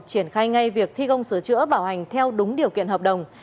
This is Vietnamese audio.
triển khai ngay việc thi công sửa chữa bảo hành theo đúng điều kiện hợp đồng